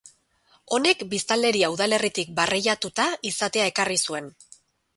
Honek biztanleria udalerritik barreiatuta izatea ekarri zuen.